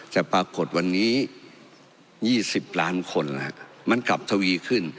แต่ปรากฏวันนี้๒๐ล้านคนมันกลับทวีขึ้น